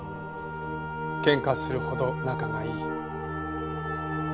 喧嘩するほど仲がいい。